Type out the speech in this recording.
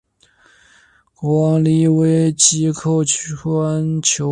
国王黎维祁叩关求救。